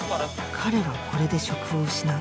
彼はこれで職を失う